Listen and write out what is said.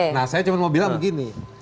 nah saya cuma mau bilang begini